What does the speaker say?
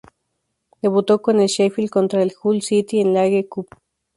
Debuto con el Sheffield contra el Hull City en la League Cup.